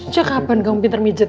dah bersama pak